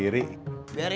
kamu juga suka